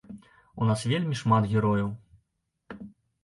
У нас вельмі шмат герояў.